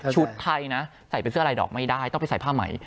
ชุดไทยนะใส่เป็นเสื้อลายดอกไม่ได้ต้องไปใส่ผ้าใหม่